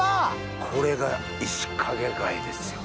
これがイシカゲ貝ですよ。